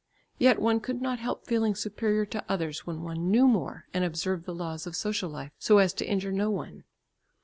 Yet one could not help feeling superior to others when one knew more and observed the laws of social life so as to injure no one.